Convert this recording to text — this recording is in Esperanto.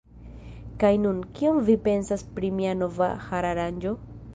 Kaj nun, kion vi pensas pri mia nova hararanĝo?